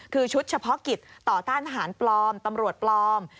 คือชุดเฉพาะกิจต่อต้านทหารปลอมตำรวจปลอม